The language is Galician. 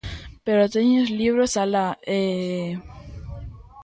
_Pero teño os libros alá e...